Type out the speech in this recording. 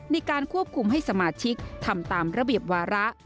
ในการควบคุมให้สมาชิกทำตามระเบียบวาระ